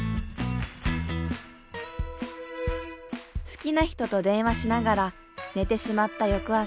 好きな人と電話しながら寝てしまった翌朝。